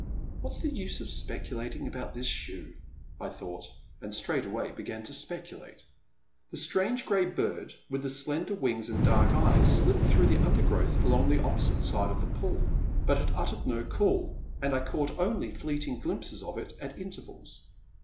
What*s the use of speculating about this shoe," I thought, and straightway began to speculate. The strange grey bird with the slender wings and dark eyes slipped through the undergrowth along the opposite side of the pool, but it uttered no call, and I caught only fleeting glimpses of it at intervals.